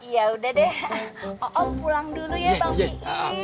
ya udah deh oom pulang dulu ya bang pi'i